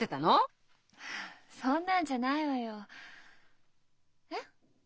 そんなんじゃないわよ。えっ？